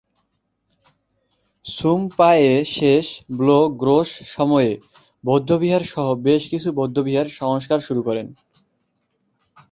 সুম-পা-য়ে-শেস-ব্লো-গ্রোস সম-য়ে বৌদ্ধবিহার সহ বেশ কিছু বৌদ্ধবিহার সংস্কার শুরু করেন।